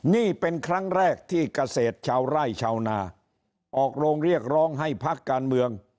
นี่เป็นครั้งแรกที่เกษตรชาวไร่ชาวนาออกโรงเรียกร้องให้พักการเมือง